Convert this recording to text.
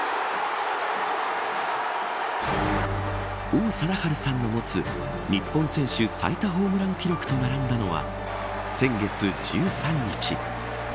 王貞治さんの持つ日本選手最多ホームラン記録と並んだのは先月１３日。